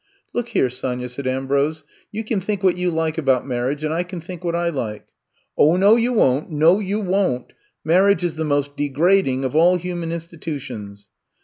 '' Look here, Sonya," said Ambrose, you can think what you like about mar riage and I can think what I like." 0h, no, you won't; no, you won'tl Marriage is the most degrading of all hu man institutions.